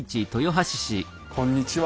こんにちは。